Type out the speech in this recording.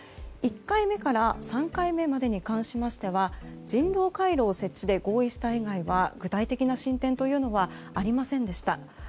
１回目から３回目までに関しましては人道回廊を設置で合意した以外は具体的な進展というのはありませんでした。